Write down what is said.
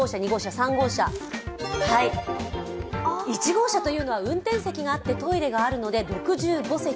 １号車は運転席があってトイレがあるので６５席。